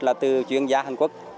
là từ chuyên gia hàn quốc